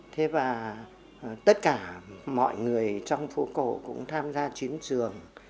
thế và tất cả mọi người trong phố cổ cũng tham gia chiến trường